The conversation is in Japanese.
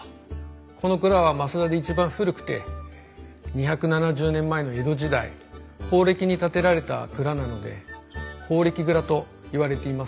この蔵は増田で一番古くて２７０年前の江戸時代宝暦に建てられた蔵なので宝暦蔵といわれています。